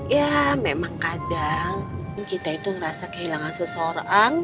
ya memang kadang kita itu ngerasa kehilangan seseorang